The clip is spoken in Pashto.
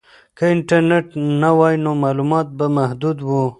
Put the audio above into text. که انټرنیټ نه وای نو معلومات به محدود وو.